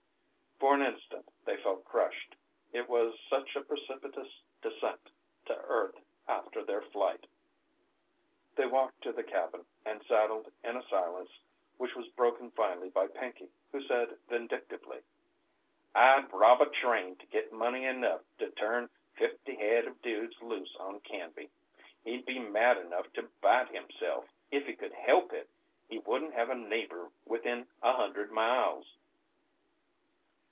For an instant they felt crushed. It was such a precipitous descent to earth after their flight. They walked to the cabin, and saddled in a silence which was broken finally by Pinkey, who said vindictively: "I'd rob a train to git money enough to turn fifty head of dudes loose on Canby. He'd be mad enough to bite himself. If he could help it he wouldn't have a neighbour within a hundred miles."